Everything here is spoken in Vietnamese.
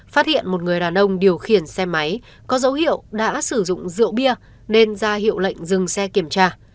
phát hiện một người đàn ông điều khiển xe máy có dấu hiệu đã sử dụng rượu bia nên ra hiệu lệnh dừng xe kiểm tra